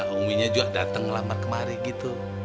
uminya juga dateng ngelamar kemari gitu